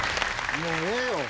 もうええよ。